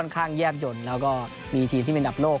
ค่าแยบยนต์แล้วก็มีทีมที่มีดับโลก